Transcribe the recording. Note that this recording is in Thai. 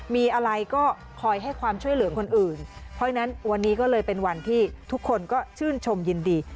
มีอะไรก็คอยให้ความช่วยเหลือคนอื่นเพราะฉะนั้นวันนี้ก็เลยเป็นวันที่ทุกคนก็ชื่นชมยินดี